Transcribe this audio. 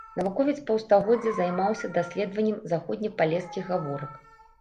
Навуковец паўстагоддзя займаўся даследаваннем заходнепалескіх гаворак.